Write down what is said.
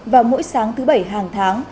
và mỗi sáng thứ bảy hàng tháng